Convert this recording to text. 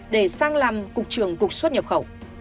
để sang làm cục trưởng cục suất nhập khẩu